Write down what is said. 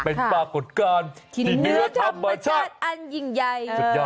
เป็นปรากฏการณ์ที่เนื้อธรรมชาติอันยิ่งใหญ่